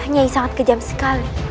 nyai sangat kejam sekali